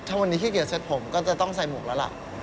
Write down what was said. ถ้าวันนี้ขี้เกียจเสร็จผมก็จะต้องใส่หมวกแล้วล่ะ